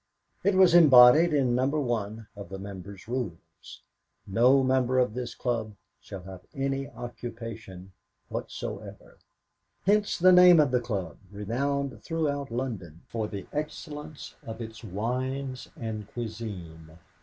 It was embodied in No. 1 of the members' rules: "No member of this club shall have any occupation whatsoever." Hence the name of a club renowned throughout London for the excellence of its wines and cuisine.